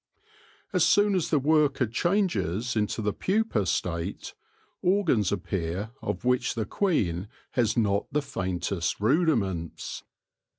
As soon as the worker changes into the pupa state, organs appear of which the queen has not the faintest rudiments.